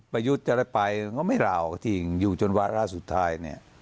ประยุทธ์จะละไปก็ไม่ลาออกจริงอยู่จนวารสุดท้ายเนี่ย